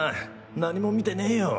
何も見てねぇよ。